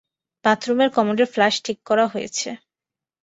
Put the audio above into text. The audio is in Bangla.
বাথরুমের কমোডের ফ্ল্যাশ ঠিক করা হয়েছে।